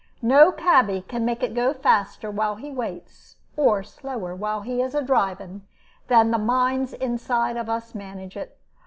No cabby can make it go faster while he waits, or slower while he is a driving, than the minds inside of us manage it.